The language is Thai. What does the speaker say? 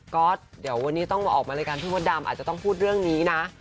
ก็เดี๋ยววันนี้ต้องมาออกรายการพี่มดดำอาจจะต้องพูดเรื่องนี้นะ